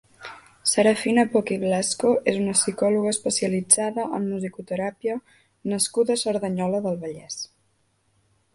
Serafina Poch i Blasco és una psicòloga especialitzada en musicoteràpia nascuda a Cerdanyola del Vallès.